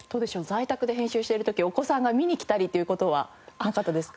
在宅で編集している時お子さんが見に来たりっていう事はなかったですか？